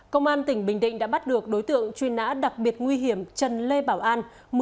công an tỉnh bình định đã bắt được đối tượng truy nã đặc biệt nguy hiểm trần lê bảo an